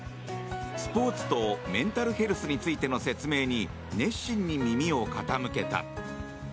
スポーツとメンタルヘルスについての説明に熱心に耳を傾けた。